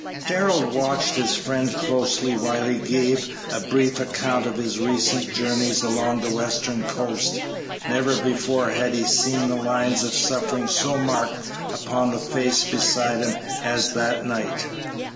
Darrell watched his friend closely while he gave a brief account of his recent journeys along the western coast. Never before had he seen the lines of suffering so marked upon the face beside him as that night.